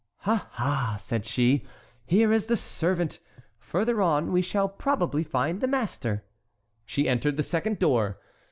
"Ah! ah!" said she, "here is the servant; further on we shall probably find the master." She entered the second door.